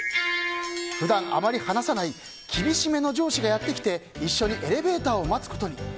普段あまり話さない厳しめの上司がやってきて一緒にエレベーターを待つことに。